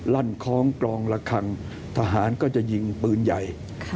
ลั่นค้องกลองรกังทหารก็จะยิงปืนใหญ่